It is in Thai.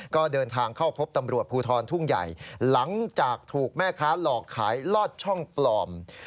ก็เดินทางเข้าพบตำรวจภูทรทุ่งใหญ่หลังจากถูกแม่ค้าหลอกขายลอดช่องปลอม